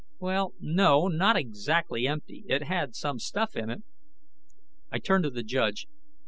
"Well, no. Not exactly empty. It had some stuff in it." I turned to the judge.